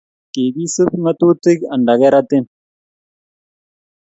Kikisupi ng'atutik anda keratin